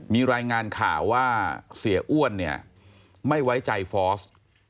มีรายงานข่าวว่าเสียอ้วนเนี่ยไม่ไว้ใจฟอส